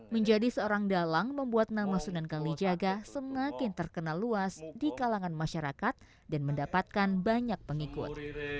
menjadi seorang dalang membuat nama sunan kalijaga semakin terkenal luas di kalangan masyarakat dan mendapatkan banyak pengikut